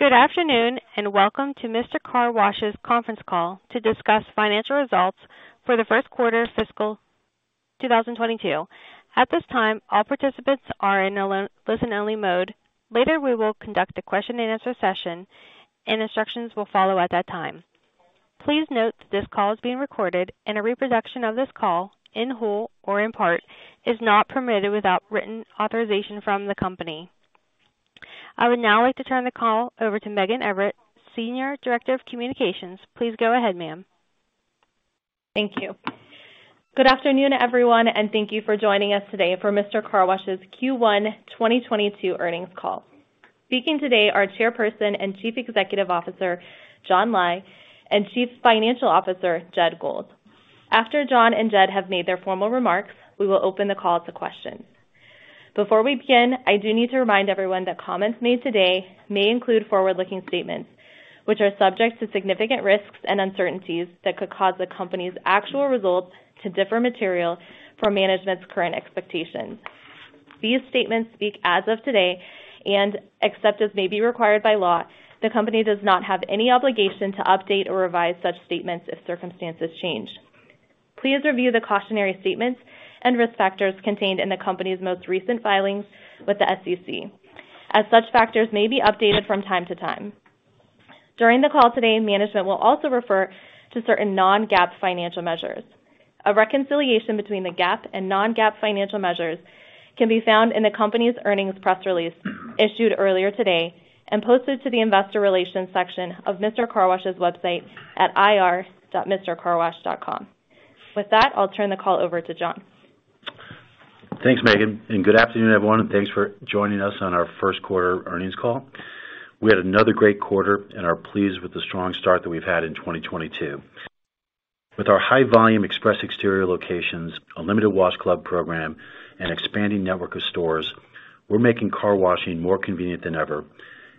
Good afternoon, and welcome to Mister Car Wash's conference call to discuss financial results for the first quarter fiscal 2022. At this time, all participants are in a listen-only mode. Later, we will conduct a question-and-answer session, and instructions will follow at that time. Please note that this call is being recorded and a reproduction of this call in whole or in part is not permitted without written authorization from the company. I would now like to turn the call over to Megan Everett, Senior Director of Communications. Please go ahead, ma'am. Thank you. Good afternoon, everyone, and thank you for joining us today for Mister Car Wash's Q1 2022 earnings call. Speaking today are Chairperson and Chief Executive Officer John Lai and Chief Financial Officer Jed Gold. After John and Jed have made their formal remarks, we will open the call to questions. Before we begin, I do need to remind everyone that comments made today may include forward-looking statements, which are subject to significant risks and uncertainties that could cause the company's actual results to differ materially from management's current expectations. These statements speak as of today and except as may be required by law, the company does not have any obligation to update or revise such statements if circumstances change. Please review the cautionary statements and risk factors contained in the company's most recent filings with the SEC, as such factors may be updated from time to time. During the call today, management will also refer to certain non-GAAP financial measures. A reconciliation between the GAAP and non-GAAP financial measures can be found in the company's earnings press release issued earlier today and posted to the investor relations section of Mister Car Wash's website at ir.mistercarwash.com. With that, I'll turn the call over to John. Thanks, Megan, and good afternoon, everyone, and thanks for joining us on our first quarter earnings call. We had another great quarter and are pleased with the strong start that we've had in 2022. With our high volume express exterior locations, Unlimited Wash Club program, and expanding network of stores, we're making car washing more convenient than ever.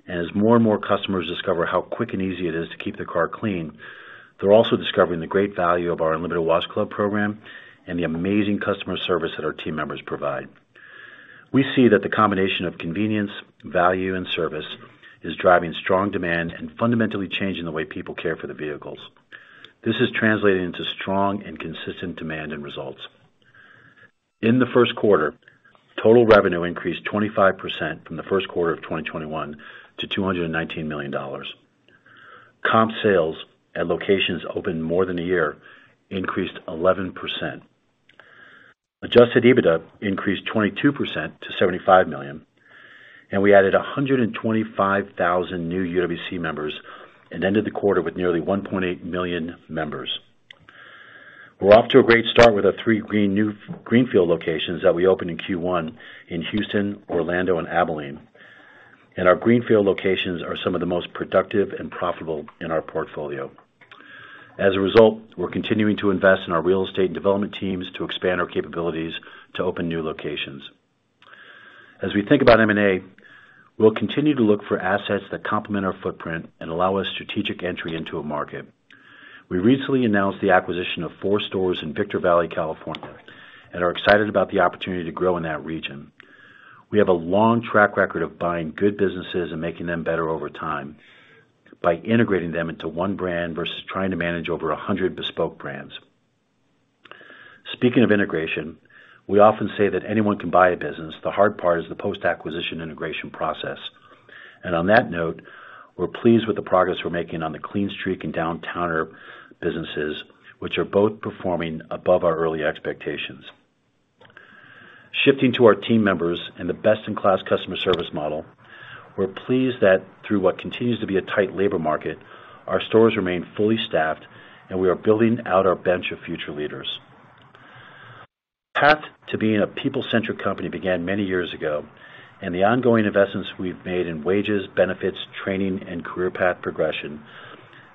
As more and more customers discover how quick and easy it is to keep their car clean, they're also discovering the great value of our Unlimited Wash Club program and the amazing customer service that our team members provide. We see that the combination of convenience, value, and service is driving strong demand and fundamentally changing the way people care for their vehicles. This is translating into strong and consistent demand and results. In the first quarter, total revenue increased 25% from the first quarter of 2021 to $219 million. Comp sales at locations opened more than a year increased 11%. Adjusted EBITDA increased 22% to $75 million, and we added 125,000 new UWC members and ended the quarter with nearly 1.8 million members. We're off to a great start with our three new greenfield locations that we opened in Q1 in Houston, Orlando, and Abilene. Our greenfield locations are some of the most productive and profitable in our portfolio. As a result, we're continuing to invest in our real estate and development teams to expand our capabilities to open new locations. As we think about M&A, we'll continue to look for assets that complement our footprint and allow us strategic entry into a market. We recently announced the acquisition of four stores in Victor Valley, California, and are excited about the opportunity to grow in that region. We have a long track record of buying good businesses and making them better over time by integrating them into one brand versus trying to manage over 100 bespoke brands. Speaking of integration, we often say that anyone can buy a business, the hard part is the post-acquisition integration process. On that note, we're pleased with the progress we're making on the Clean Streak and Downtowner businesses, which are both performing above our early expectations. Shifting to our team members and the best-in-class customer service model, we're pleased that through what continues to be a tight labor market, our stores remain fully staffed, and we are building out our bench of future leaders. Path to being a people-centric company began many years ago, and the ongoing investments we've made in wages, benefits, training, and career path progression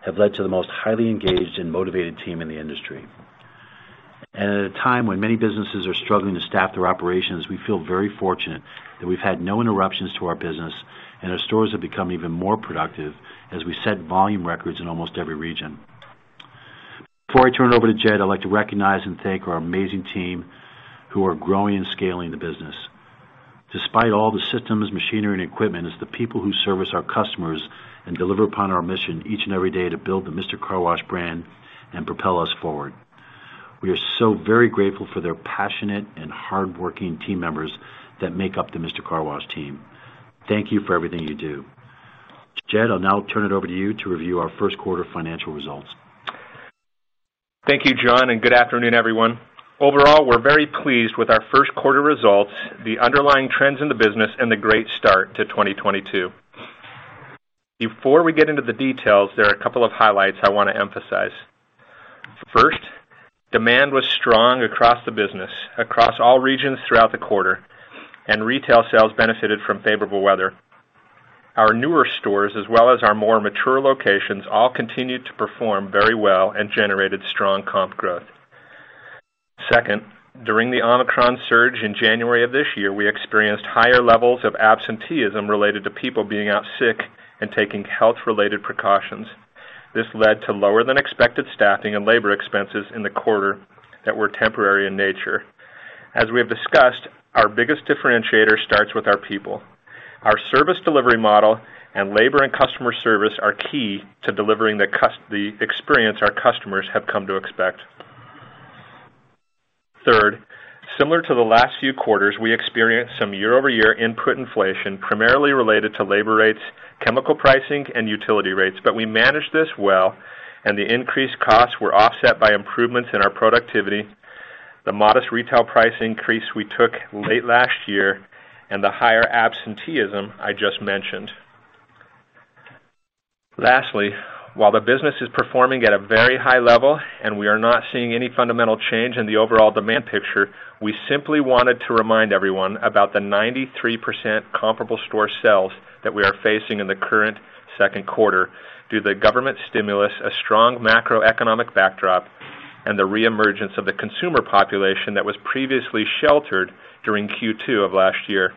have led to the most highly engaged and motivated team in the industry. At a time when many businesses are struggling to staff their operations, we feel very fortunate that we've had no interruptions to our business, and our stores have become even more productive as we set volume records in almost every region. Before I turn it over to Jed, I'd like to recognize and thank our amazing team who are growing and scaling the business. Despite all the systems, machinery, and equipment, it's the people who service our customers and deliver upon our mission each and every day to build the Mister Car Wash brand and propel us forward. We are so very grateful for their passionate and hardworking team members that make up the Mister Car Wash team. Thank you for everything you do. Jed, I'll now turn it over to you to review our first quarter financial results. Thank you, John, and good afternoon, everyone. Overall, we're very pleased with our first quarter results, the underlying trends in the business and the great start to 2022. Before we get into the details, there are a couple of highlights I wanna emphasize. First, demand was strong across the business, across all regions throughout the quarter, and retail sales benefited from favorable weather. Our newer stores, as well as our more mature locations, all continued to perform very well and generated strong comp growth. Second, during the Omicron surge in January of this year, we experienced higher levels of absenteeism related to people being out sick and taking health-related precautions. This led to lower than expected staffing and labor expenses in the quarter that were temporary in nature. As we have discussed, our biggest differentiator starts with our people. Our service delivery model and labor and customer service are key to delivering the experience our customers have come to expect. Third, similar to the last few quarters, we experienced some year-over-year input inflation, primarily related to labor rates, chemical pricing, and utility rates. We managed this well, and the increased costs were offset by improvements in our productivity, the modest retail price increase we took late last year, and the higher absenteeism I just mentioned. Lastly, while the business is performing at a very high level and we are not seeing any fundamental change in the overall demand picture, we simply wanted to remind everyone about the 93% comparable store sales that we are facing in the current second quarter due to the government stimulus, a strong macroeconomic backdrop and the re-emergence of the consumer population that was previously sheltered during Q2 of last year.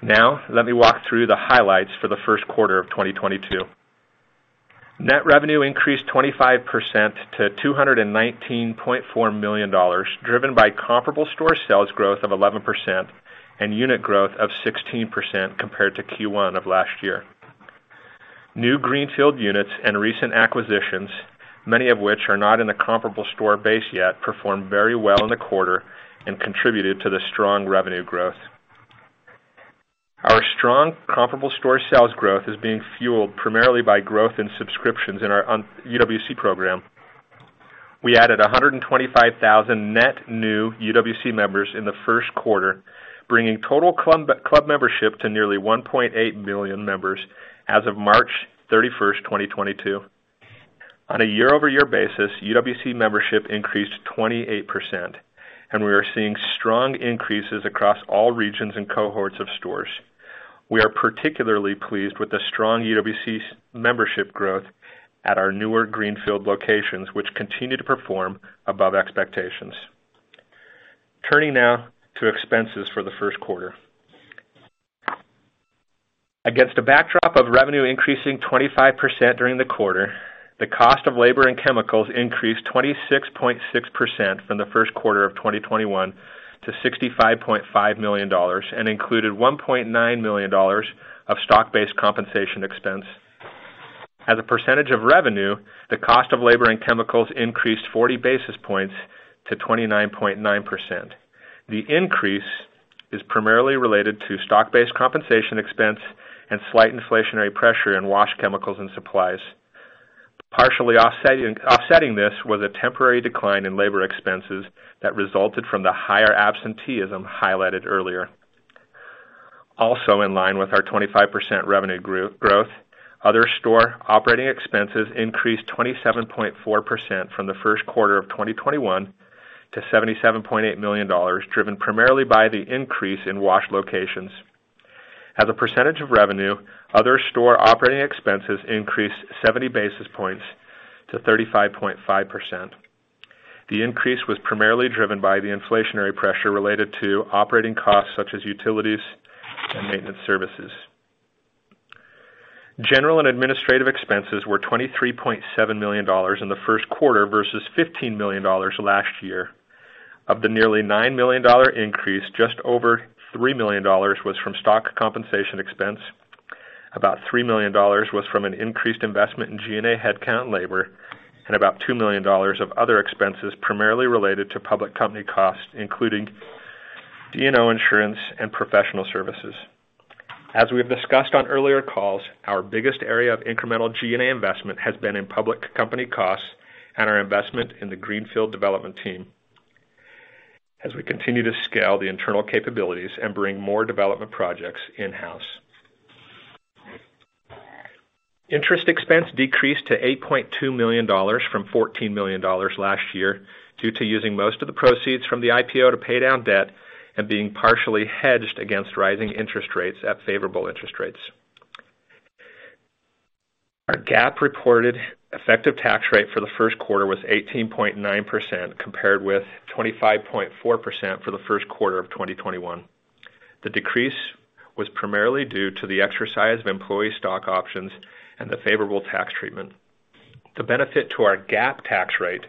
Now let me walk through the highlights for the first quarter of 2022. Net revenue increased 25% to $219.4 million, driven by comparable store sales growth of 11% and unit growth of 16% compared to Q1 of last year. New greenfield units and recent acquisitions, many of which are not in a comparable store base yet, performed very well in the quarter and contributed to the strong revenue growth. Our strong comparable store sales growth is being fueled primarily by growth in subscriptions in our UWC program. We added 125,000 net new UWC members in the first quarter, bringing total club membership to nearly 1.8 million members as of March 31st, 2022. On a year-over-year basis, UWC membership increased 28% and we are seeing strong increases across all regions and cohorts of stores. We are particularly pleased with the strong UWC membership growth at our newer greenfield locations, which continue to perform above expectations. Turning now to expenses for the first quarter. Against a backdrop of revenue increasing 25% during the quarter, the cost of labor and chemicals increased 26.6% from the first quarter of 2021 to $65.5 million and included $1.9 million of stock-based compensation expense. As a percentage of revenue, the cost of labor and chemicals increased 40 basis points to 29.9%. The increase is primarily related to stock-based compensation expense and slight inflationary pressure in wash chemicals and supplies. Partially offsetting this was a temporary decline in labor expenses that resulted from the higher absenteeism highlighted earlier. Also in line with our 25% revenue growth, other store operating expenses increased 27.4% from the first quarter of 2021 to $77.8 million, driven primarily by the increase in wash locations. As a percentage of revenue, other store operating expenses increased 70 basis points to 35.5%. The increase was primarily driven by the inflationary pressure related to operating costs, such as utilities and maintenance services. General and administrative expenses were $23.7 million in the first quarter versus $15 million last year. Of the nearly $9 million increase, just over $3 million was from stock compensation expense. About $3 million was from an increased investment in G&A headcount and labor, and about $2 million of other expenses primarily related to public company costs, including D&O insurance and professional services. As we have discussed on earlier calls, our biggest area of incremental G&A investment has been in public company costs and our investment in the greenfield development team as we continue to scale the internal capabilities and bring more development projects in-house. Interest expense decreased to $8.2 million from $14 million last year due to using most of the proceeds from the IPO to pay down debt and being partially hedged against rising interest rates at favorable interest rates. Our GAAP reported effective tax rate for the first quarter was 18.9%, compared with 25.4% for the first quarter of 2021. The decrease was primarily due to the exercise of employee stock options and the favorable tax treatment. The benefit to our GAAP tax rate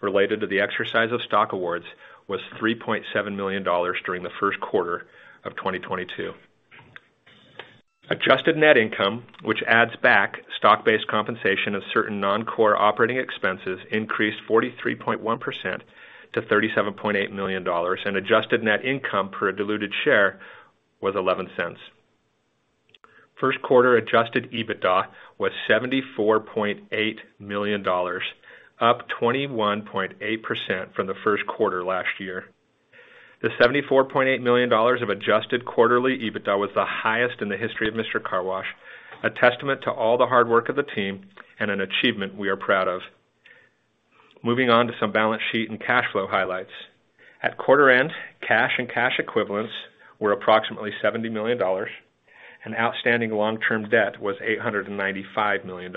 related to the exercise of stock awards was $3.7 million during the first quarter of 2022. Adjusted net income, which adds back stock-based compensation of certain non-core operating expenses, increased 43.1% to $37.8 million, and adjusted net income per diluted share was $0.11. First quarter Adjusted EBITDA was $74.8 million, up 21.8% from the first quarter last year. The $74.8 million of adjusted quarterly EBITDA was the highest in the history of Mister Car Wash, a testament to all the hard work of the team and an achievement we are proud of. Moving on to some balance sheet and cash flow highlights. At quarter end, cash and cash equivalents were approximately $70 million, and outstanding long-term debt was $895 million.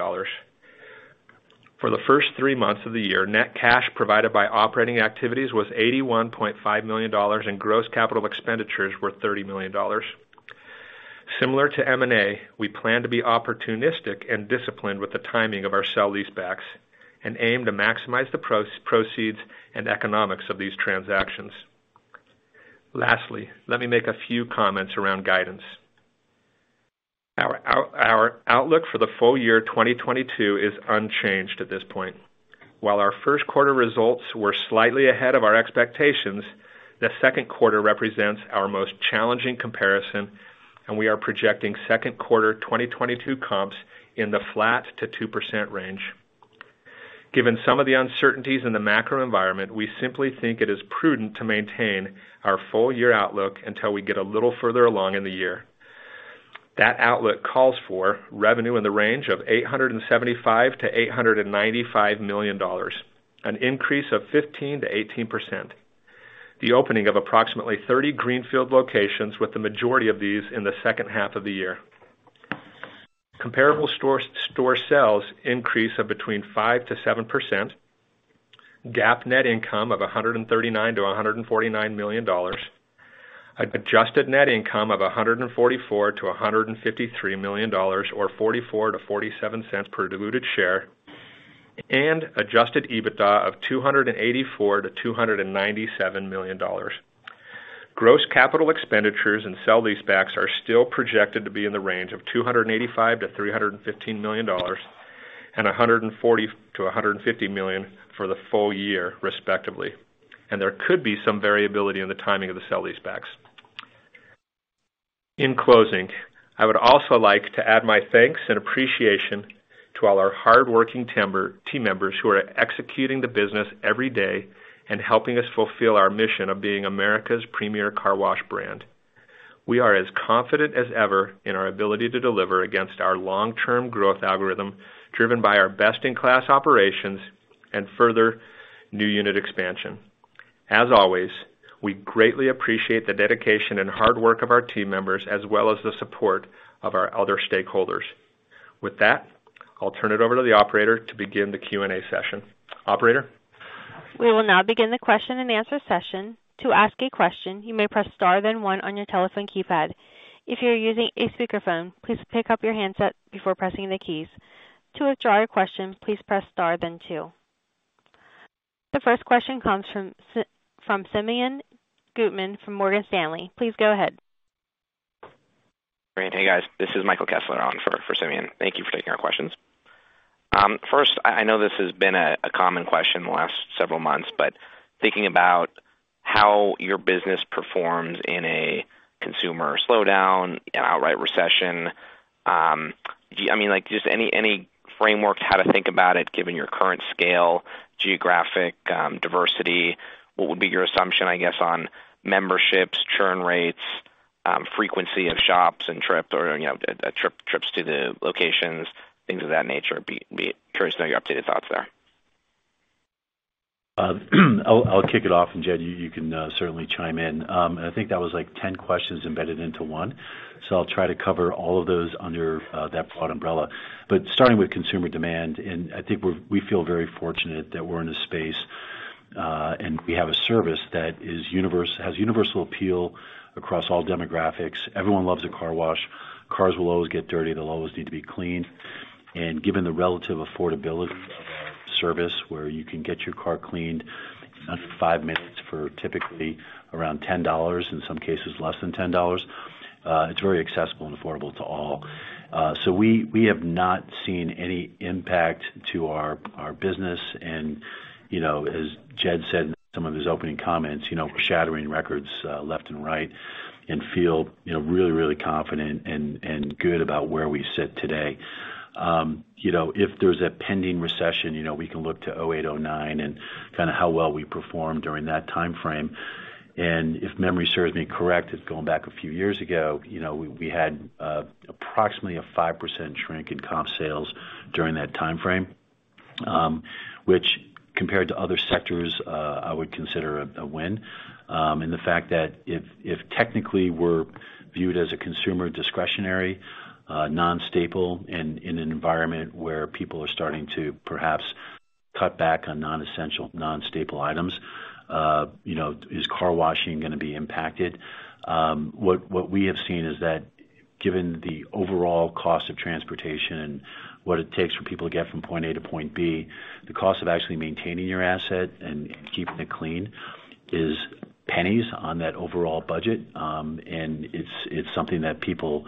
For the first three months of the year, net cash provided by operating activities was $81.5 million, and gross capital expenditures were $30 million. Similar to M&A, we plan to be opportunistic and disciplined with the timing of our sale-leasebacks and aim to maximize the net proceeds and economics of these transactions. Lastly, let me make a few comments around guidance. Our outlook for the full year 2022 is unchanged at this point. While our first quarter results were slightly ahead of our expectations, the second quarter represents our most challenging comparison, and we are projecting second quarter 2022 comps in the flat to 2% range. Given some of the uncertainties in the macro environment, we simply think it is prudent to maintain our full year outlook until we get a little further along in the year. That outlook calls for revenue in the range of $875 million-$895 million, an increase of 15%-18%. The opening of approximately 30 greenfield locations with the majority of these in the second half of the year. Comparable store sales increase of between 5%-7%. GAAP net income of $139 million-$149 million. Adjusted net income of $144 million-$153 million or 44-0.47 per diluted share, and Adjusted EBITDA of $284 million-$297 million. Gross capital expenditures and sell leasebacks are still projected to be in the range of $285 million-$315 million and $140 million-$150 million for the full year, respectively. There could be some variability in the timing of the sell leasebacks. In closing, I would also like to add my thanks and appreciation to all our hardworking team members who are executing the business every day and helping us fulfill our mission of being America's premier car wash brand. We are as confident as ever in our ability to deliver against our long-term growth algorithm, driven by our best-in-class operations and further new unit expansion. As always, we greatly appreciate the dedication and hard work of our team members as well as the support of our other stakeholders. With that, I'll turn it over to the operator to begin the Q&A session. Operator? We will now begin the question-and-answer session. To ask a question, you may press star then one on your telephone keypad. If you're using a speakerphone, please pick up your handset before pressing the keys. To withdraw your question, please press star then two. The first question comes from Simeon Gutman from Morgan Stanley. Please go ahead. Great. Hey, guys. This is Michael Kessler on for Simeon. Thank you for taking our questions. First, I know this has been a common question the last several months, but thinking about how your business performs in a consumer slowdown, an outright recession, I mean, like, just any frameworks how to think about it, given your current scale, geographic diversity, what would be your assumption, I guess, on memberships, churn rates, frequency of shops and trips or, you know, trips to the locations, things of that nature. Be curious to know your updated thoughts there. I'll kick it off, and Jed, you can certainly chime in. I think that was, like, 10 questions embedded into one, so I'll try to cover all of those under that broad umbrella. Starting with consumer demand, and I think we feel very fortunate that we're in a space, and we have a service that has universal appeal across all demographics. Everyone loves a car wash. Cars will always get dirty. They'll always need to be cleaned. Given the relative affordability of our service, where you can get your car cleaned in under five minutes for typically around $10, in some cases less than $10, it's very accessible and affordable to all. We have not seen any impact to our business. You know, as Jed said in some of his opening comments, you know, we're shattering records left and right and feel really confident and good about where we sit today. You know, if there's a pending recession, you know, we can look to 2008, 2009 and kinda how well we performed during that timeframe. If memory serves me correct, it's going back a few years ago, you know, we had approximately a 5% shrink in comp sales during that timeframe, which compared to other sectors, I would consider a win. The fact that if technically we're viewed as a consumer discretionary non-staple in an environment where people are starting to perhaps cut back on non-essential, non-staple items, you know, is car washing gonna be impacted? What we have seen is that given the overall cost of transportation and what it takes for people to get from point A to point B, the cost of actually maintaining your asset and keeping it clean is pennies on that overall budget, and it's something that people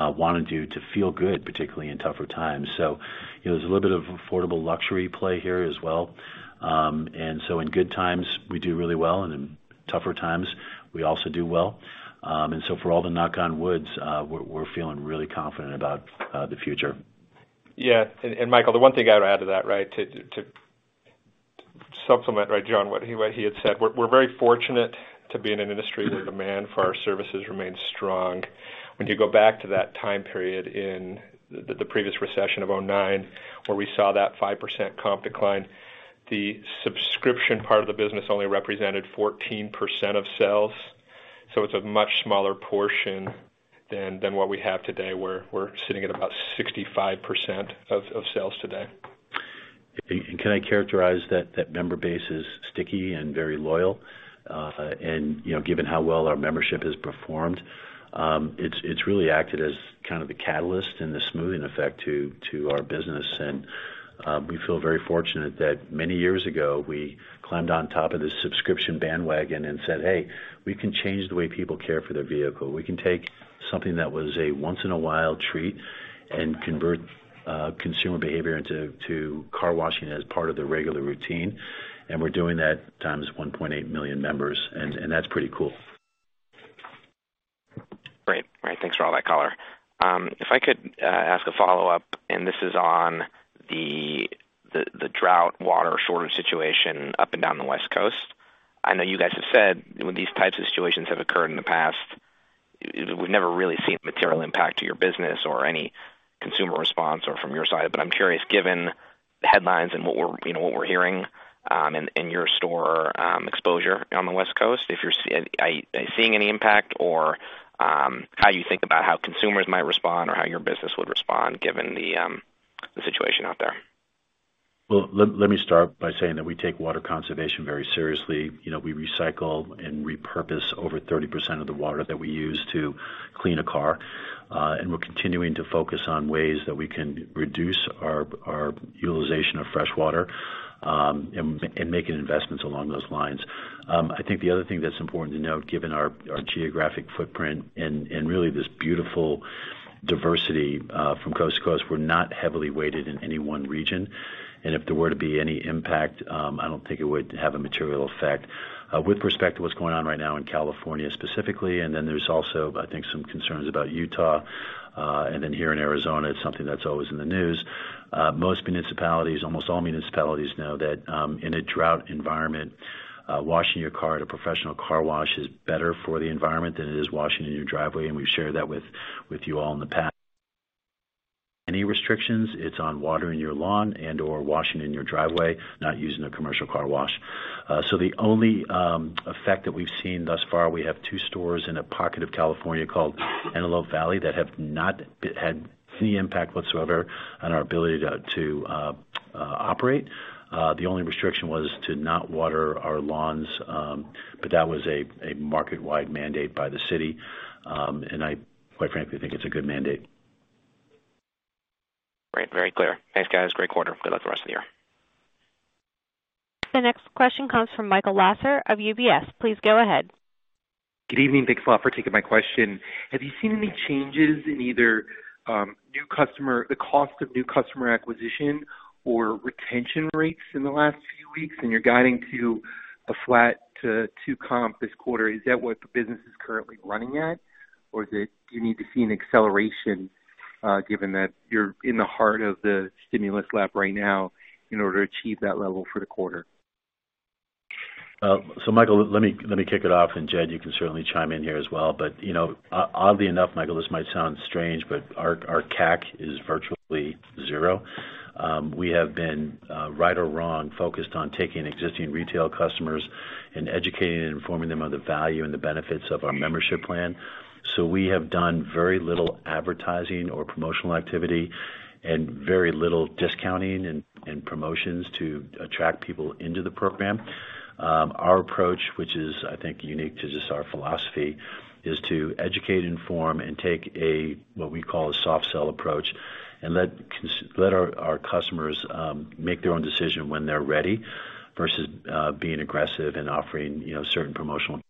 wanna do to feel good, particularly in tougher times. You know, there's a little bit of affordable luxury play here as well. In good times, we do really well, and in tougher times, we also do well. For all the knock on wood, we're feeling really confident about the future. Yeah. Michael, the one thing I would add to that, right, to supplement, right, John, what he had said, we're very fortunate to be in an industry where demand for our services remains strong. When you go back to that time period in the previous recession of 2009, where we saw that 5% comp decline, the subscription part of the business only represented 14% of sales, so it's a much smaller portion than what we have today, where we're sitting at about 65% of sales today. Can I characterize that member base is sticky and very loyal, and, you know, given how well our membership has performed, it's really acted as kind of the catalyst and the smoothing effect to our business. We feel very fortunate that many years ago, we climbed on top of this subscription bandwagon and said, "Hey, we can change the way people care for their vehicle. We can take something that was a once in a while treat and convert consumer behavior into car washing as part of their regular routine." We're doing that times 1.8 million members, and that's pretty cool. Great. All right, thanks for all that color. If I could ask a follow-up, and this is on the drought water shortage situation up and down the West Coast. I know you guys have said when these types of situations have occurred in the past, we've never really seen a material impact to your business or any consumer response or from your side. I'm curious, given the headlines and what we're you know what we're hearing in your store exposure on the West Coast, are you seeing any impact? Or how you think about how consumers might respond or how your business would respond given the situation out there? Well, let me start by saying that we take water conservation very seriously. You know, we recycle and repurpose over 30% of the water that we use to clean a car, and we're continuing to focus on ways that we can reduce our utilization of fresh water, and making investments along those lines. I think the other thing that's important to note, given our geographic footprint and really this beautiful diversity, from coast to coast, we're not heavily weighted in any one region. If there were to be any impact, I don't think it would have a material effect. With respect to what's going on right now in California, specifically, and then there's also, I think, some concerns about Utah, and then here in Arizona, it's something that's always in the news. Most municipalities, almost all municipalities know that, in a drought environment, washing your car at a professional car wash is better for the environment than it is washing in your driveway, and we've shared that with you all in the past. Any restrictions, it's on watering your lawn and/or washing in your driveway, not using a commercial car wash. The only effect that we've seen thus far, we have two stores in a pocket of California called Antelope Valley that have not had any impact whatsoever on our ability to operate. The only restriction was to not water our lawns, but that was a market-wide mandate by the city, and I quite frankly think it's a good mandate. Great. Very clear. Thanks, guys. Great quarter. Good luck the rest of the year. The next question comes from Michael Lasser of UBS. Please go ahead. Good evening. Thanks a lot for taking my question. Have you seen any changes in either the cost of new customer acquisition or retention rates in the last few weeks? In your guidance to flat to 2% comps this quarter, is that what the business is currently running at? Or do you need to see an acceleration, given that you're in the heart of the stimulus lag right now in order to achieve that level for the quarter? Michael, let me kick it off, and Jed, you can certainly chime in here as well. You know, oddly enough, Michael, this might sound strange, but our CAC is virtually zero. We have been, right or wrong, focused on taking existing retail customers and educating and informing them of the value and the benefits of our membership plan. We have done very little advertising or promotional activity and very little discounting and promotions to attract people into the program. Our approach, which is, I think, unique to just our philosophy, is to educate, inform, and take a, what we call a soft sell approach and let our customers make their own decision when they're ready versus being aggressive and offering, you know, certain promotions to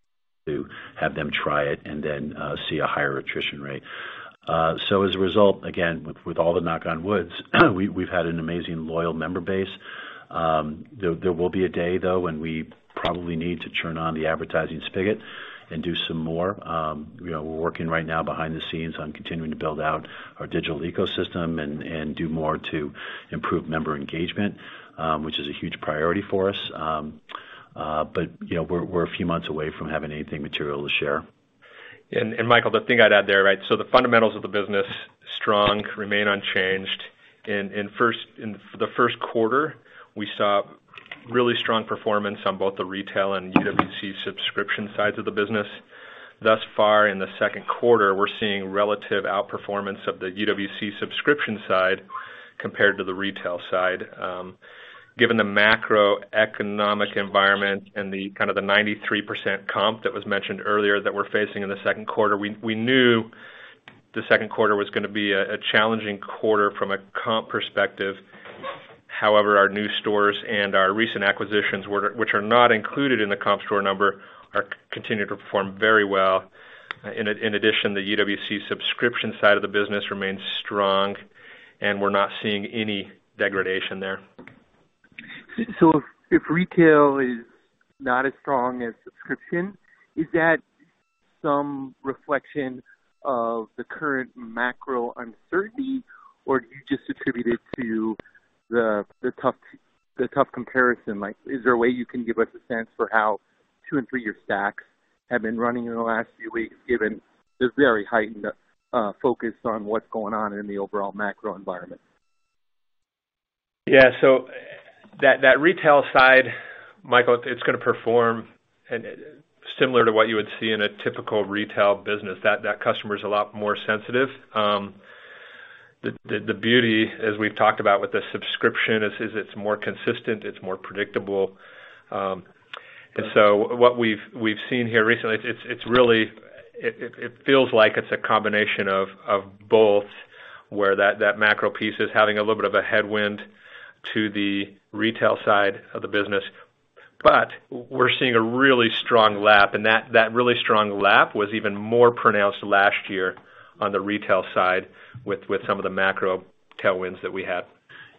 have them try it and then see a higher attrition rate. As a result, again, with all the knock on wood, we've had an amazing loyal member base. There will be a day, though, when we probably need to turn on the advertising spigot and do some more. You know, we're working right now behind the scenes on continuing to build out our digital ecosystem and do more to improve member engagement, which is a huge priority for us. You know, we're a few months away from having anything material to share. Michael, the thing I'd add there, right? The fundamentals of the business, strong, remain unchanged. In the first quarter, we saw really strong performance on both the retail and UWC subscription sides of the business. Thus far in the second quarter, we're seeing relative outperformance of the UWC subscription side compared to the retail side. Given the macroeconomic environment and the kind of the 93% comp that was mentioned earlier that we're facing in the second quarter, we knew the second quarter was gonna be a challenging quarter from a comp perspective. However, our new stores and our recent acquisitions, which are not included in the comp store number, continue to perform very well. In addition, the UWC subscription side of the business remains strong, and we're not seeing any degradation there. If retail is not as strong as subscription, is that some reflection of the current macro uncertainty or do you just attribute it to the tough comparison? Like, is there a way you can give us a sense for how two and three-year stacks have been running in the last few weeks, given this very heightened focus on what's going on in the overall macro environment? Yeah. That retail side, Michael, it's gonna perform in similar to what you would see in a typical retail business. That customer is a lot more sensitive. The beauty, as we've talked about with the subscription, is it's more consistent, it's more predictable. What we've seen here recently, it's really, it feels like it's a combination of both, where that macro piece is having a little bit of a headwind to the retail side of the business. We're seeing a really strong lap, and that really strong lap was even more pronounced last year on the retail side with some of the macro tailwinds that we had.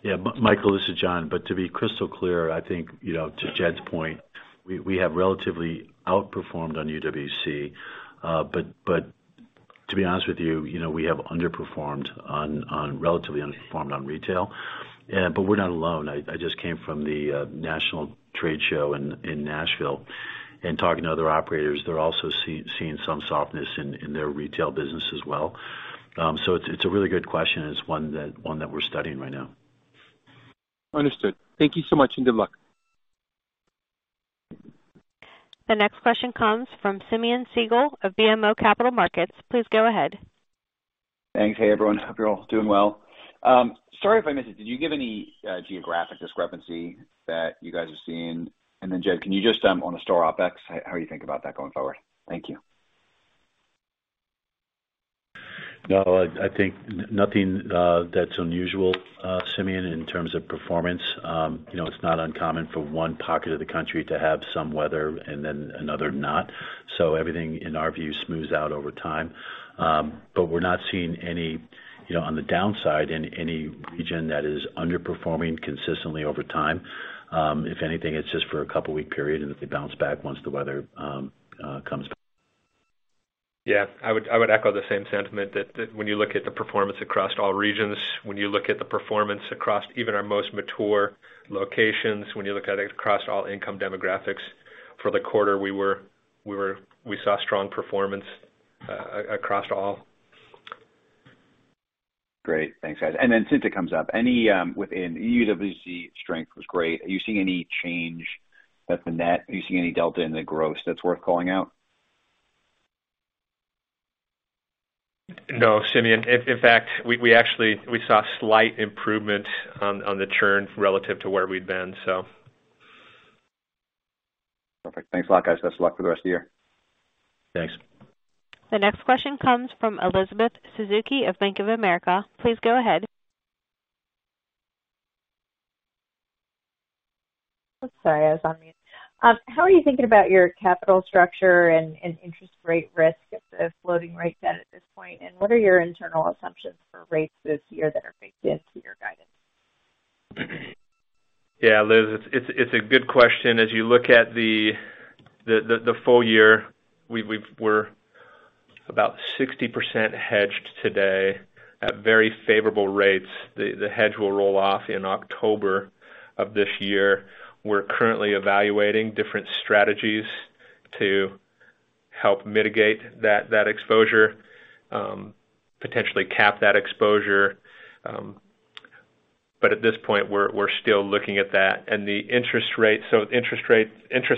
Yeah. Michael, this is John. To be crystal clear, I think, you know, to Jed's point, we have relatively outperformed on UWC. To be honest with you know, we have underperformed on retail. We're not alone. I just came from the national trade show in Nashville and talking to other operators, they're also seeing some softness in their retail business as well. It's a really good question and it's one that we're studying right now. Understood. Thank you so much, and good luck. The next question comes from Simeon Siegel of BMO Capital Markets. Please go ahead. Thanks. Hey, everyone. Hope you're all doing well. Sorry if I missed it. Did you give any geographic discrepancy that you guys are seeing? Then Jed, can you just on the store OpEx, how you think about that going forward? Thank you. No, I think nothing that's unusual, Simeon, in terms of performance. You know, it's not uncommon for one pocket of the country to have some weather and then another not. Everything, in our view, smooths out over time. We're not seeing any, you know, on the downside in any region that is underperforming consistently over time. If anything, it's just for a couple of week period, and they bounce back once the weather comes. Yeah. I would echo the same sentiment that when you look at the performance across all regions, when you look at the performance across even our most mature locations, when you look at it across all income demographics for the quarter, we saw strong performance across all. Great. Thanks, guys. Since it comes up, any within UWC strength was great, are you seeing any change at the net? Are you seeing any delta in the growth that's worth calling out? No, Simeon. In fact, we actually saw slight improvement on the churn relative to where we'd been so. Perfect. Thanks a lot, guys. Best of luck for the rest of the year. Thanks. The next question comes from Elizabeth Suzuki of Bank of America. Please go ahead. Sorry, I was on mute. How are you thinking about your capital structure and interest rate risk at the floating rate debt at this point? What are your internal assumptions for rates this year that are baked into your guidance? Yeah, Liz, it's a good question. As you look at the full year, we're about 60% hedged today at very favorable rates. The hedge will roll off in October of this year. We're currently evaluating different strategies to help mitigate that exposure, potentially cap that exposure. But at this point, we're still looking at that. Interest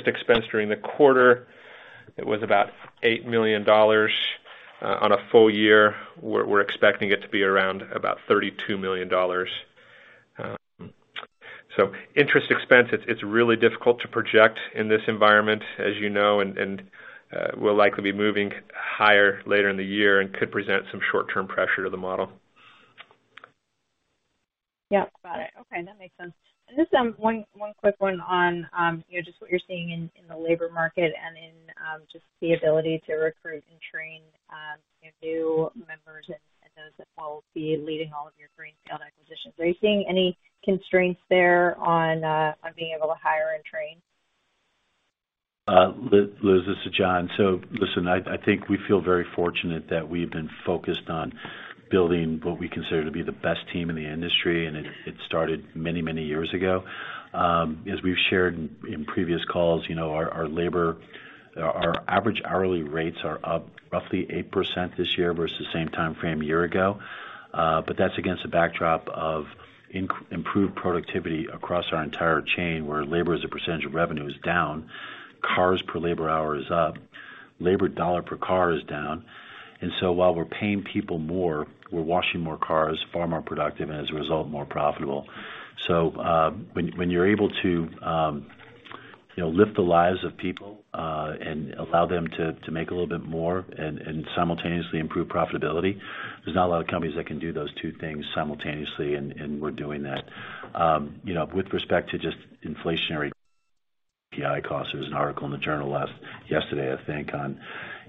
expense during the quarter, it was about $8 million. On a full year, we're expecting it to be around about $32 million. So interest expense, it's really difficult to project in this environment, as you know, and we'll likely be moving higher later in the year and could present some short-term pressure to the model. Yeah. Got it. Okay, that makes sense. Just one quick one on you know just what you're seeing in the labor market and in just the ability to recruit and train you know new members and those that will be leading all of your greenfield acquisitions. Are you seeing any constraints there on being able to hire and train? Liz, this is John. Listen, I think we feel very fortunate that we've been focused on building what we consider to be the best team in the industry and it started many years ago. As we've shared in previous calls, you know, our labor, our average hourly rates are up roughly 8% this year versus the same timeframe a year ago. That's against a backdrop of improved productivity across our entire chain, where labor as a percentage of revenue is down, cars per labor hour is up, labor dollar per car is down. While we're paying people more, we're washing more cars, far more productive, and as a result, more profitable. when you're able to, you know, lift the lives of people, and allow them to make a little bit more and simultaneously improve profitability, there's not a lot of companies that can do those two things simultaneously, and we're doing that. You know, with respect to just inflationary pay costs, there was an article in the journal last yesterday, I think, on,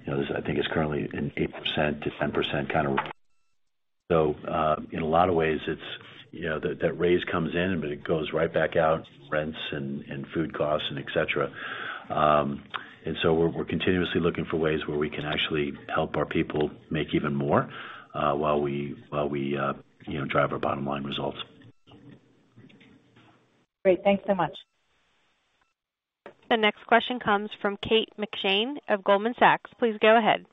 you know, I think it's currently an 8%-10% kind of report. In a lot of ways, it's, you know, that raise comes in, but it goes right back out, rents and food costs and et cetera. We're continuously looking for ways where we can actually help our people make even more, while we, you know, drive our bottom line results. Great. Thanks so much. The next question comes from Kate McShane of Goldman Sachs. Please go ahead.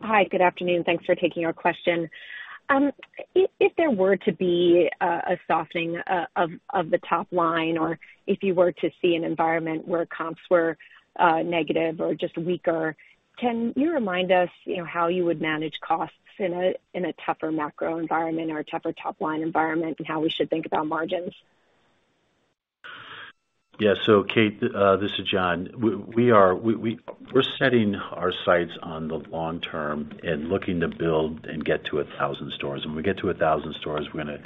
Hi, good afternoon. Thanks for taking our question. If there were to be a softening of the top line or if you were to see an environment where comps were negative or just weaker, can you remind us, you know, how you would manage costs in a tougher macro environment or a tougher top line environment, and how we should think about margins? Yeah. Kate, this is John. We're setting our sights on the long term and looking to build and get to 1,000 stores. When we get to 1,000 stores, we're gonna,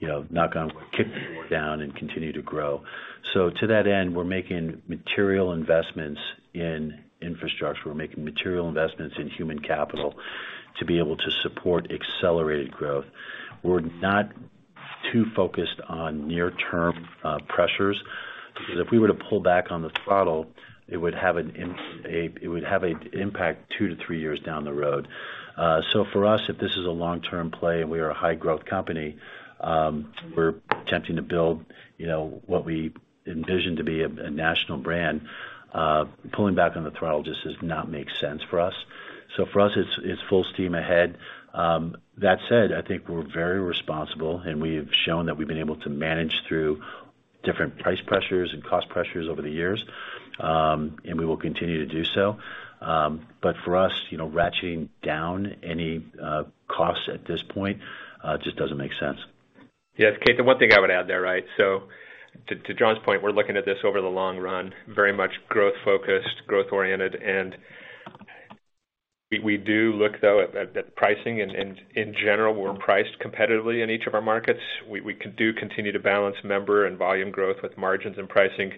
you know, kick the door down and continue to grow. To that end, we're making material investments in infrastructure. We're making material investments in human capital to be able to support accelerated growth. We're not too focused on near-term pressures, because if we were to pull back on the throttle, it would have an impact two to three years down the road. For us, if this is a long-term play and we are a high growth company, we're attempting to build, you know, what we envision to be a national brand. Pulling back on the throttle just does not make sense for us. For us, it's full steam ahead. That said, I think we're very responsible, and we've shown that we've been able to manage through different price pressures and cost pressures over the years, and we will continue to do so. For us, you know, ratcheting down any costs at this point just doesn't make sense. Yes, Kate. The one thing I would add there, right? To John's point, we're looking at this over the long run, very much growth focused, growth oriented. We do look though at pricing and in general, we're priced competitively in each of our markets. We do continue to balance member and volume growth with margins and pricing.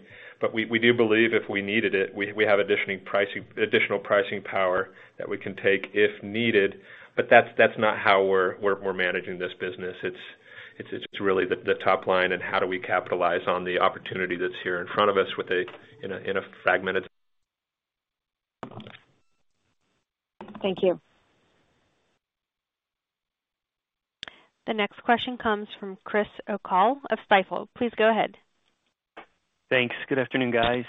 We do believe if we needed it, we have additional pricing power that we can take if needed. That's not how we're managing this business. It's really the top line and how do we capitalize on the opportunity that's here in front of us with a fragmented. Thank you. The next question comes from Chris O'Cull of Stifel. Please go ahead. Thanks. Good afternoon, guys.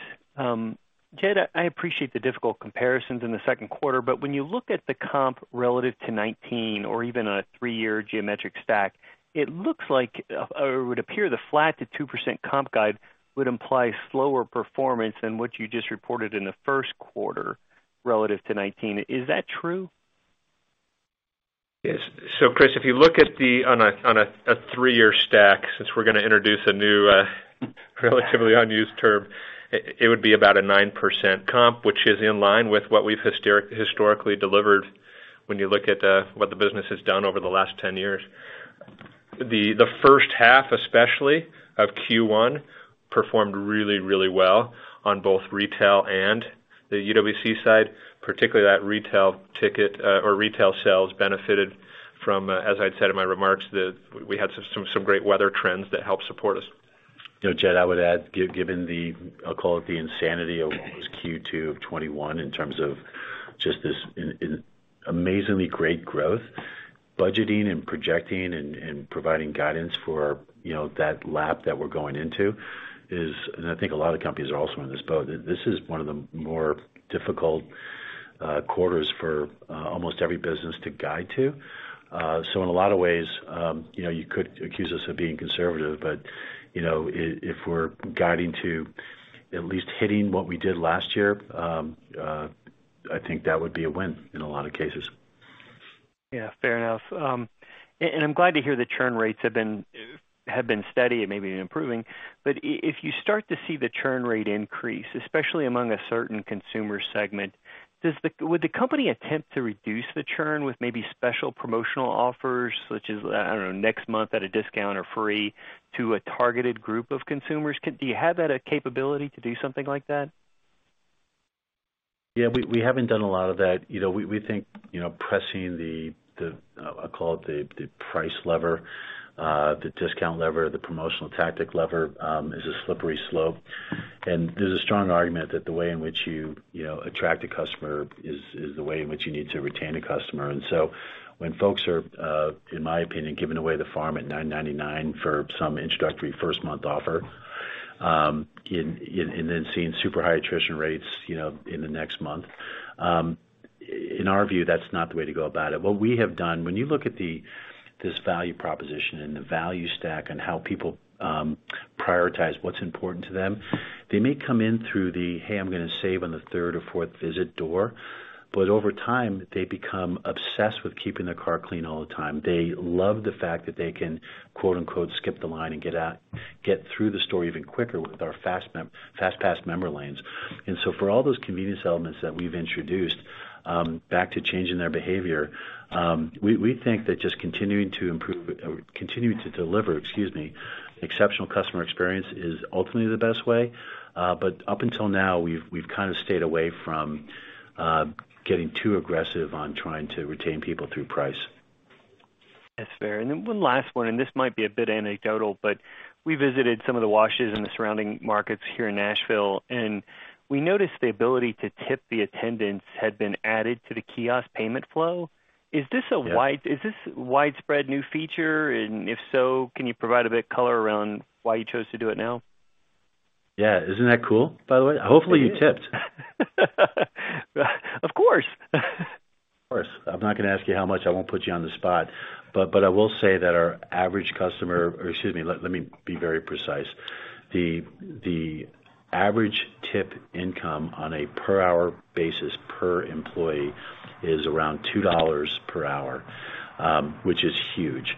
Jed, I appreciate the difficult comparisons in the second quarter, but when you look at the comp relative to 2019 or even a three-year geometric stack, it looks like, or it would appear the flat to 2% comp guide would imply slower performance than what you just reported in the first quarter relative to 2019. Is that true? Yes, Chris, if you look at the on a three-year stack, since we're gonna introduce a new relatively unused term, it would be about a 9% comp, which is in line with what we've historically delivered when you look at what the business has done over the last 10 years. The first half, especially of Q1, performed really well on both retail and the UWC side, particularly that retail ticket or retail sales benefited from, as I'd said in my remarks, we had some great weather trends that helped support us. You know, Jed, I would add, given the, I'll call it the insanity of what was Q2 of 2021 in terms of just insane, insanely great growth, budgeting and projecting and providing guidance for, you know, that lap that we're going into is. I think a lot of companies are also in this boat. This is one of the more difficult quarters for almost every business to guide to. In a lot of ways, you know, you could accuse us of being conservative, but, you know, if we're guiding to at least hitting what we did last year, I think that would be a win in a lot of cases. Yeah, fair enough. And I'm glad to hear the churn rates have been steady and maybe improving. If you start to see the churn rate increase, especially among a certain consumer segment, would the company attempt to reduce the churn with maybe special promotional offers, such as, I don't know, next month at a discount or free to a targeted group of consumers? Do you have that capability to do something like that? Yeah. We haven't done a lot of that. You know, we think, you know, pressing the, I'll call it the price lever, the discount lever, the promotional tactic lever is a slippery slope. There's a strong argument that the way in which you know attract a customer is the way in which you need to retain a customer. When folks are in my opinion giving away the farm at $9.99 for some introductory first month offer and then seeing super high attrition rates, you know, in the next month, in our view, that's not the way to go about it. What we have done—when you look at this value proposition and the value stack and how people prioritize what's important to them, they may come in through "Hey, I'm gonna save on the third or fourth visit door." Over time, they become obsessed with keeping their car clean all the time. They love the fact that they can, quote-unquote, "skip the line" and get through the store even quicker with our Fast Pass member lanes. For all those convenience elements that we've introduced, back to changing their behavior, we think that just continuing to improve or continuing to deliver, excuse me, exceptional customer experience is ultimately the best way. Up until now, we've kind of stayed away from getting too aggressive on trying to retain people through price. That's fair. One last one, and this might be a bit anecdotal, but we visited some of the washes in the surrounding markets here in Nashville, and we noticed the ability to tip the attendants had been added to the kiosk payment flow. Yeah. Is this widespread new feature? If so, can you provide a bit color around why you chose to do it now? Yeah. Isn't that cool, by the way? Hopefully you tipped. Of course. Of course. I'm not gonna ask you how much. I won't put you on the spot. I will say let me be very precise. The average tip income on a per hour basis per employee is around $2 per hour, which is huge.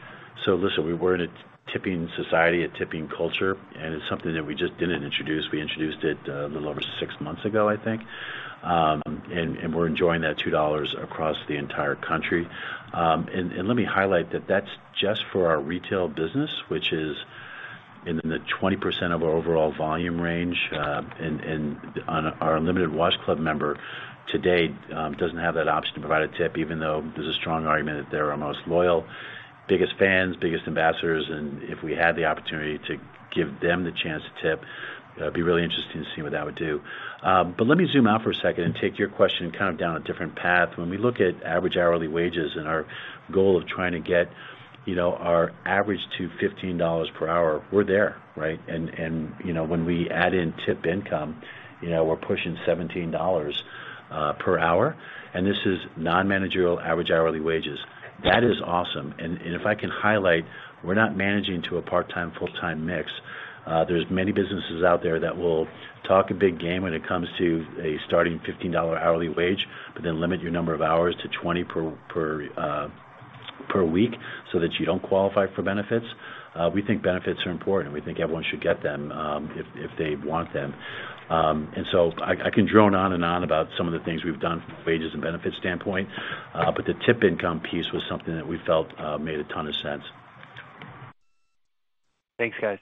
Listen, we weren't a tipping society, a tipping culture, and it's something that we just didn't introduce. We introduced it a little over six months ago, I think. We're enjoying that $2 across the entire country. Let me highlight that that's just for our retail business, which is in the 20% of our overall volume range. On our Unlimited Wash Club member to date, doesn't have that option to provide a tip, even though there's a strong argument that they're our most loyal, biggest fans, biggest ambassadors. If we had the opportunity to give them the chance to tip, it'd be really interesting to see what that would do. Let me zoom out for a second and take your question kind of down a different path. When we look at average hourly wages and our goal of trying to get, you know, our average to $15 per hour, we're there, right? You know, when we add in tip income, you know, we're pushing $17 per hour, and this is non-managerial average hourly wages. That is awesome. If I can highlight, we're not managing to a part-time, full-time mix. There's many businesses out there that will talk a big game when it comes to a starting $15 hourly wage, but then limit your number of hours to 20 per week so that you don't qualify for benefits. We think benefits are important. We think everyone should get them, if they want them. I can drone on and on about some of the things we've done from a wages and benefits standpoint, but the tip income piece was something that we felt made a ton of sense. Thanks, guys.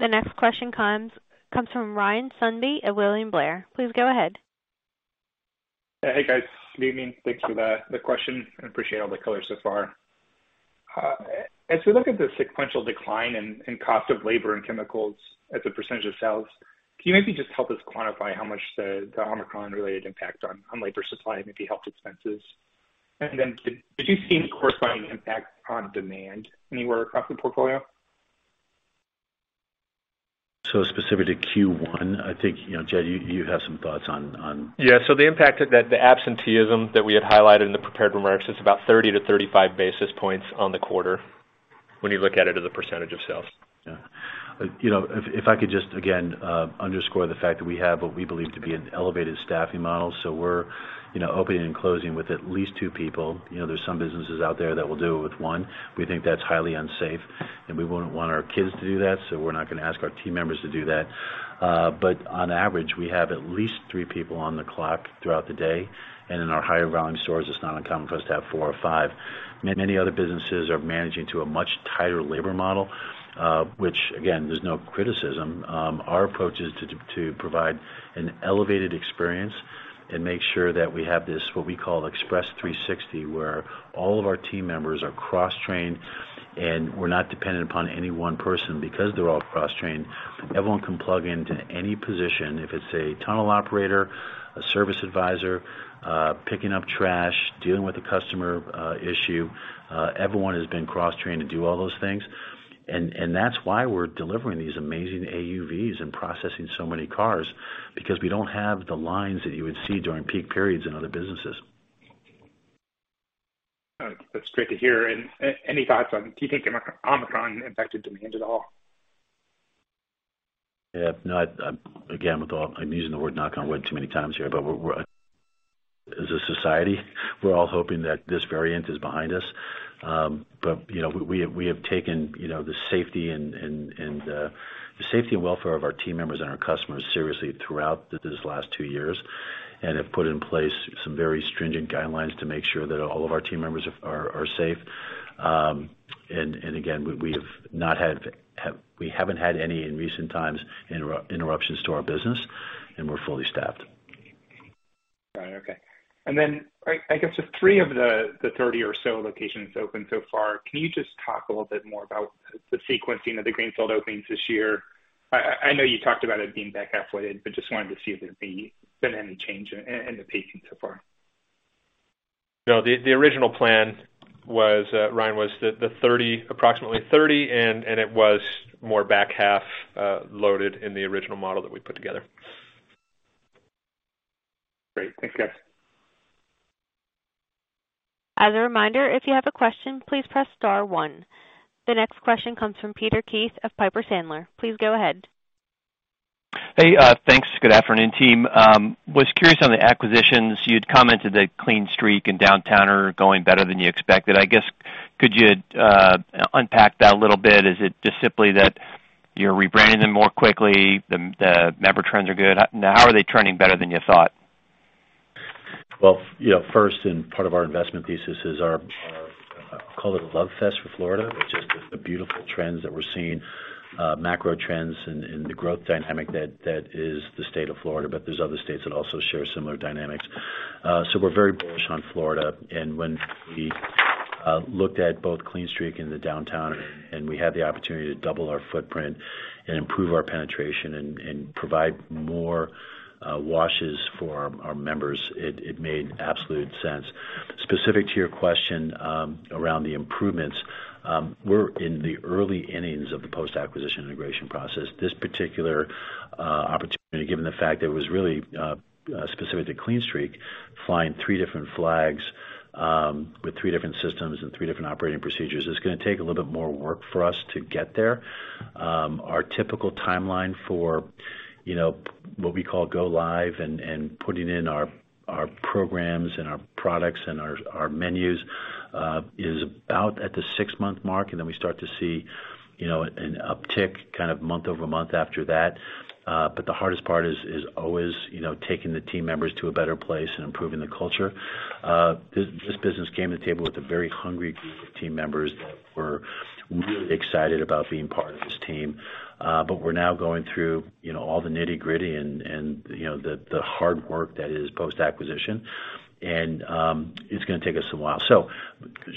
The next question comes from Ryan Sundby at William Blair. Please go ahead. Hey, guys. Good evening. Thanks for the question. I appreciate all the color so far. As we look at the sequential decline in cost of labor and chemicals as a percentage of sales, can you maybe just help us quantify how much the Omicron-related impact on labor supply, maybe health expenses? Did you see any corresponding impact on demand anywhere across the portfolio? Specific to Q1, I think, you know, Jed, you have some thoughts on- Yeah. The impact that the absenteeism that we had highlighted in the prepared remarks is about 30-35 basis points on the quarter when you look at it as a percentage of sales. You know, if I could just again underscore the fact that we have what we believe to be an elevated staffing model. We're, you know, opening and closing with at least two people. You know, there's some businesses out there that will do it with one. We think that's highly unsafe, and we wouldn't want our kids to do that, so we're not gonna ask our team members to do that. On average, we have at least three people on the clock throughout the day. In our higher volume stores, it's not uncommon for us to have four or five. Many other businesses are managing to a much tighter labor model, which again there's no criticism. Our approach is to provide an elevated experience and make sure that we have this, what we call Express 360, where all of our team members are cross-trained, and we're not dependent upon any one person. Because they're all cross-trained, everyone can plug into any position. If it's a tunnel operator, a service advisor, picking up trash, dealing with a customer issue, everyone has been cross-trained to do all those things. That's why we're delivering these amazing AUVs and processing so many cars, because we don't have the lines that you would see during peak periods in other businesses. That's great to hear. Any thoughts on do you think Omicron affected demand at all? Yeah. No, again, I'm using the word knock on wood too many times here, but as a society, we're all hoping that this variant is behind us. You know, we have taken you know, the safety and welfare of our team members and our customers seriously throughout this last two years and have put in place some very stringent guidelines to make sure that all of our team members are safe. Again, we haven't had any interruptions to our business in recent times, and we're fully staffed. All right. Okay. Then I guess the 30 or so locations opened so far, can you just talk a little bit more about the sequencing of the greenfield openings this year? I know you talked about it being back half loaded, but just wanted to see if there'd been any change in the pacing so far? No. The original plan was, Ryan, the 30, approximately 30, and it was more back-half loaded in the original model that we put together. Great. Thanks, guys. As a reminder, if you have a question, please press star one. The next question comes from Peter Keith of Piper Sandler. Please go ahead. Hey. Thanks. Good afternoon, team. Was curious on the acquisitions. You'd commented that Clean Streak and Downtowner are going better than you expected. I guess could you unpack that a little bit? Is it just simply that you're rebranding them more quickly? The member trends are good. How are they trending better than you thought? Well, you know, first and part of our investment thesis is our call it a love fest for Florida, which is the beautiful trends that we're seeing, macro trends and the growth dynamic that is the state of Florida, but there's other states that also share similar dynamics. So we're very bullish on Florida. When we looked at both Clean Streak and the Downtowner, and we had the opportunity to double our footprint and improve our penetration and provide more washes for our members, it made absolute sense. Specific to your question, around the improvements, we're in the early innings of the post-acquisition integration process. This particular opportunity, given the fact that it was really specific to Clean Streak, flying three different flags, with three different systems and three different operating procedures, is gonna take a little bit more work for us to get there. Our typical timeline for, you know, what we call go live and putting in our programs and our products and our menus, is about at the six-month mark, and then we start to see, you know, an uptick kind of month-over-month after that. The hardest part is always, you know, taking the team members to a better place and improving the culture. This business came to the table with a very hungry group of team members that were really excited about being part of this team, but we're now going through, you know, all the nitty-gritty and, you know, the hard work that is post-acquisition. It's gonna take us a while.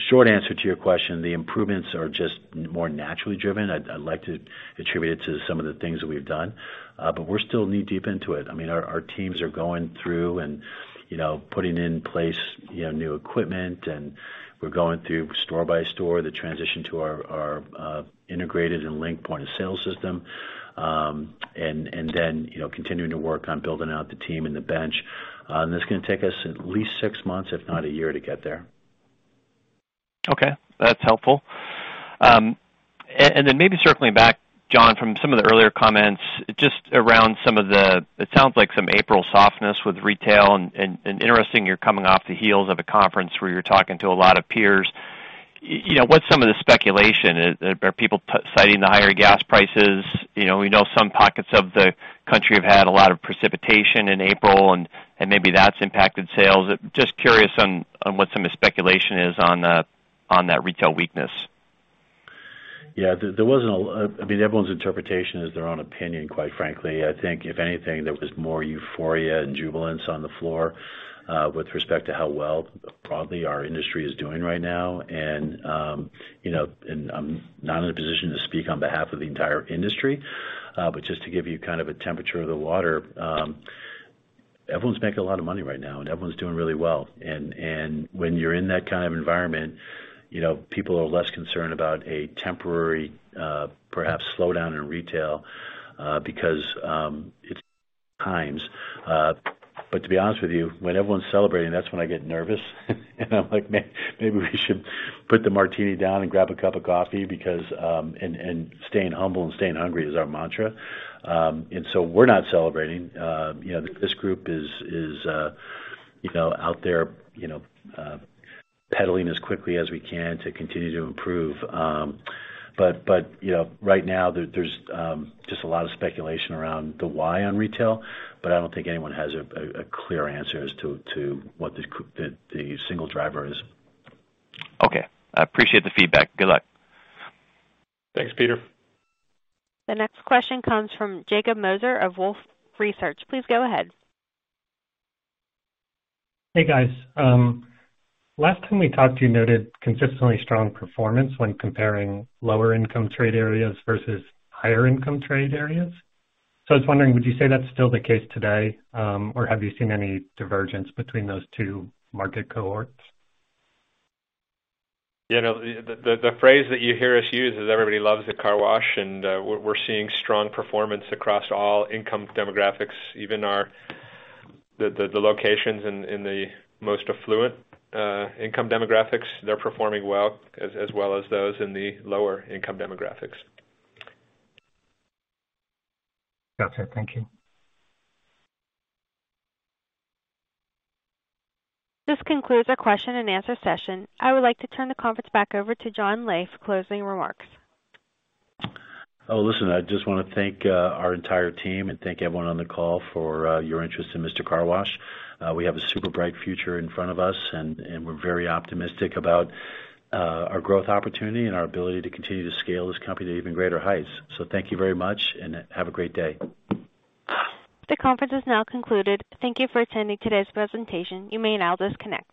Short answer to your question, the improvements are just more naturally driven. I'd like to attribute it to some of the things that we've done. We're still knee-deep into it. I mean, our teams are going through and, you know, putting in place, you know, new equipment, and we're going through store by store the transition to our integrated and linked point-of-sale system. Then, you know, continuing to work on building out the team and the bench. It's gonna take us at least six months, if not a year, to get there. Okay, that's helpful. And then maybe circling back, John, from some of the earlier comments, just around some of the. It sounds like some April softness with retail and interesting you're coming off the heels of a conference where you're talking to a lot of peers. You know, what's some of the speculation? Are people citing the higher gas prices? You know, we know some pockets of the country have had a lot of precipitation in April and maybe that's impacted sales. Just curious on what some of the speculation is on that retail weakness. I mean, everyone's interpretation is their own opinion, quite frankly. I think if anything, there was more euphoria and jubilance on the floor with respect to how well broadly our industry is doing right now. You know, I'm not in a position to speak on behalf of the entire industry, but just to give you kind of a temperature of the water, everyone's making a lot of money right now and everyone's doing really well. When you're in that kind of environment, you know, people are less concerned about a temporary, perhaps slowdown in retail, because it's times. To be honest with you, when everyone's celebrating, that's when I get nervous and I'm like, "Man, maybe we should put the martini down and grab a cup of coffee because," and staying humble and staying hungry is our mantra. We're not celebrating. You know, this group is you know, out there, you know, pedaling as quickly as we can to continue to improve. You know, right now there's just a lot of speculation around the why on retail, but I don't think anyone has a clear answer as to what the single driver is. Okay. I appreciate the feedback. Good luck. Thanks, Peter. The next question comes from Jacob Moser of Wolfe Research. Please go ahead. Hey, guys. Last time we talked, you noted consistently strong performance when comparing lower income trade areas versus higher income trade areas. I was wondering, would you say that's still the case today, or have you seen any divergence between those two market cohorts? You know, the phrase that you hear us use is everybody loves a car wash and we're seeing strong performance across all income demographics. The locations in the most affluent income demographics, they're performing well, as well as those in the lower income demographics. That's it. Thank you. This concludes our question and answer session. I would like to turn the conference back over to John Lai for closing remarks. Oh, listen, I just wanna thank our entire team and thank everyone on the call for your interest in Mister Car Wash. We have a super bright future in front of us and we're very optimistic about our growth opportunity and our ability to continue to scale this company to even greater heights. Thank you very much and have a great day. The conference is now concluded. Thank you for attending today's presentation. You may now disconnect.